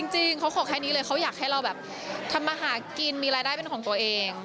จริงเขาขอแค่นี้เลยเขาอยากให้เราแบบทำมาหากินมีรายได้เป็นของตัวเอง